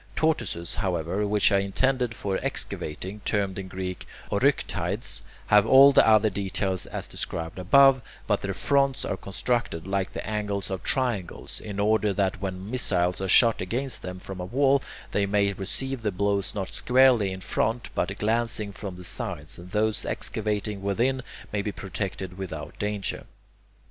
Tortoises, however, which are intended for excavating, termed in Greek [Greek: oryktides], have all the other details as described above, but their fronts are constructed like the angles of triangles, in order that when missiles are shot against them from a wall, they may receive the blows not squarely in front, but glancing from the sides, and those excavating within may be protected without danger.